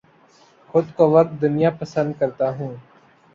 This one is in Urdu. خود کو وقت دنیا پسند کرتا ہوں